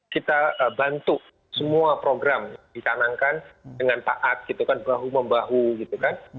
kita bantu semua program yang dicanangkan dengan taat gitu kan bahu membahu gitu kan